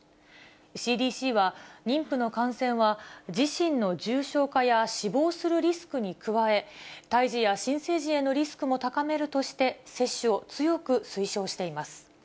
ＣＤＣは妊婦の感染は自身の重症化や死亡するリスクに加え、胎児や新生児へのリスクも高めるとして、接種を強く推奨しています。